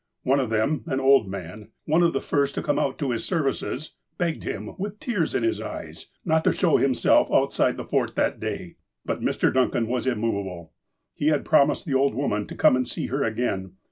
One of them, an old man, one of the first to come out to his services, begged him, with tears in his eyes, not to show himself outside the Fort that day. But Mr. Duncan was immovable. He had promised the old woman to come and see her again.